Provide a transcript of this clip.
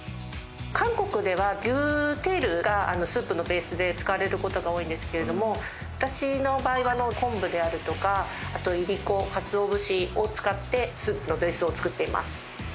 韓国では牛テールがスープのベースで使われることが多いんですけど私の場合は昆布であるとかあといりこかつお節を使ってスープのベースを作っています。